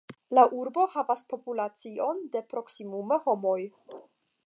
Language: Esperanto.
La urbo havas populacion de proksimume homoj.